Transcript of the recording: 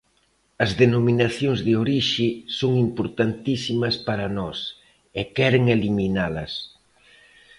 As denominacións de orixe son importantísimas para nós e queren eliminalas.